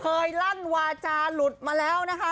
ลั่นวาจาหลุดมาแล้วนะคะ